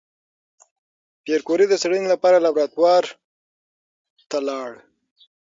پېیر کوري د څېړنې لپاره لابراتوار ته لاړ.